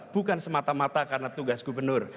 bukan semata mata karena tugas gubernur